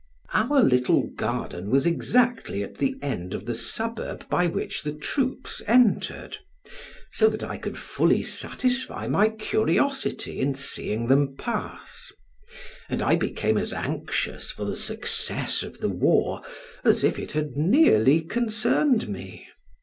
Our little garden was exactly at the end of the suburb by which the troops entered, so that I could fully satisfy my curiosity in seeing them pass, and I became as anxious for the success of the war as if it had nearly concerned me.